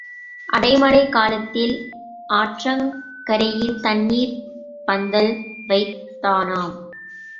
அடை மழைக் காலத்தில் ஆற்றங் கரையில் தண்ணீர்ப் பந்தல் வைத்தானாம்.